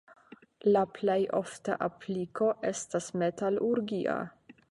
La plej ofta apliko estas metalurgia.